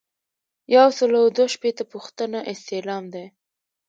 یو سل او دوه شپیتمه پوښتنه استعلام دی.